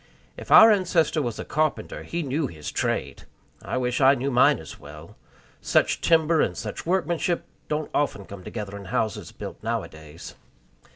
If our ancestor was a carpenter, he knew his trade. I wish I knew mine as well. Such timber and such workmanship don't often come together in houses built nowadays.